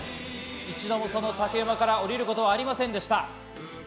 一度も竹馬から降りることはありませんでした。